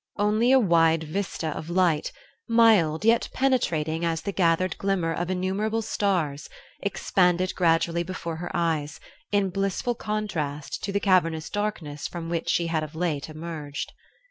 Only a wide vista of light, mild yet penetrating as the gathered glimmer of innumerable stars, expanded gradually before her eyes, in blissful contrast to the cavernous darkness from which she had of late emerged.